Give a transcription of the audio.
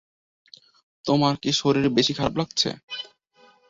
তোমার কী শরীর বেশি খারাপ লাগছে?